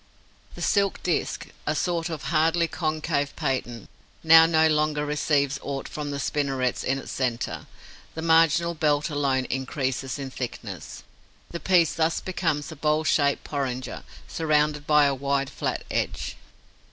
The silk disk, a sort of hardly concave paten, now no longer receives aught from the spinnerets in its centre; the marginal belt alone increases in thickness. The piece thus becomes a bowl shaped porringer, surrounded by a wide, flat edge.